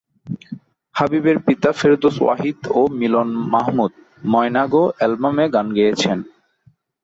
হাবিবের পিতা ফেরদৌস ওয়াহিদ ও মিলন মাহমুদ ময়না গো অ্যালবামে গান গেয়েছেন।